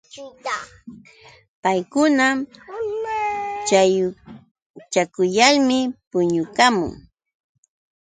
Paykuna śhaakuyalmi puñupaakun.